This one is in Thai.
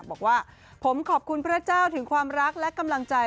บอกว่าผมขอบคุณพระเจ้าถึงความรักและกำลังใจ